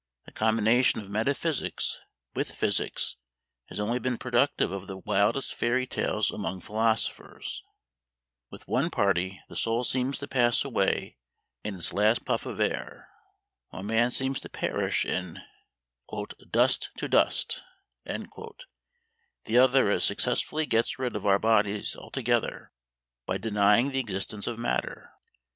The combination of metaphysics with physics has only been productive of the wildest fairy tales among philosophers: with one party the soul seems to pass away in its last puff of air, while man seems to perish in "dust to dust;" the other as successfully gets rid of our bodies altogether, by denying the existence of matter.